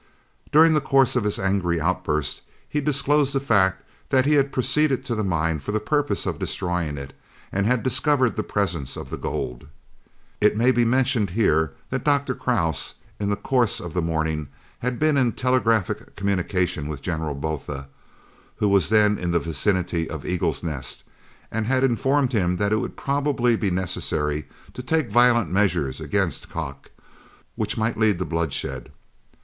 During the course of his angry outburst he disclosed the fact that he had proceeded to the mine for the purpose of destroying it, and had discovered the presence of the gold. It may be mentioned here that Dr. Krause, in the course of the morning, had been in telegraphic communication with General Botha, who was then in the vicinity of Eagles' Nest, and had informed him that it would probably be necessary to take violent measures against Kock, which might lead to bloodshed.